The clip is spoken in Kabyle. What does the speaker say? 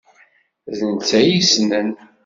D netta ay yessnen.